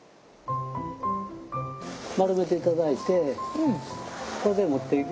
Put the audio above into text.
丸めていただいてこれで持って行く。